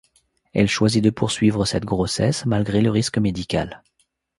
Elle choisit de poursuivre cette grossesse, malgré le risque médical.